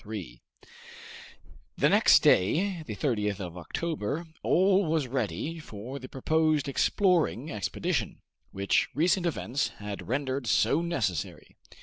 Chapter 3 The next day, the 30th of October, all was ready for the proposed exploring expedition, which recent events had rendered so necessary.